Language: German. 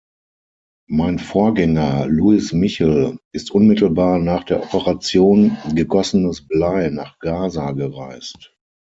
Mein Vorgänger, Louis Michel, ist unmittelbar nach der Operation "Gegossenes Blei" nach Gaza gereist.